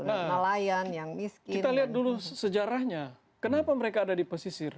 nah nelayan yang kita lihat dulu sejarahnya kenapa mereka ada di pesisir